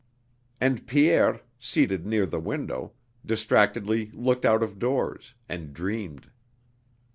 And Pierre, seated near the window, distractedly looked out of doors, and dreamed.